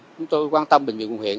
chúng tôi quan tâm bệnh viện quận huyện